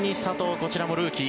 こちらもルーキー。